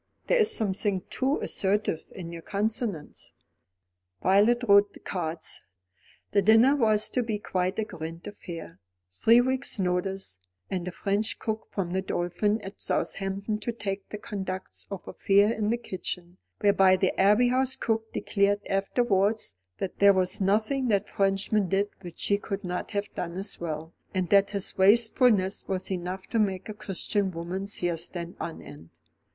There is something too assertive in your consonants." Violet wrote the cards. The dinner was to be quite a grand affair, three weeks' notice, and a French cook from The Dolphin at Southampton to take the conduct of affairs in the kitchen; whereby the Abbey House cook declared afterwards that there was nothing that Frenchman did which she could not have done as well, and that his wastefulness was enough to make a Christian woman's hair stand on end.